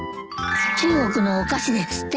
中国のお菓子ですって。